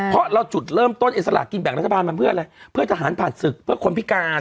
เพราะเราจุดเริ่มต้นไอ้สลากกินแบ่งรัฐบาลมันเพื่ออะไรเพื่อทหารผ่านศึกเพื่อคนพิการ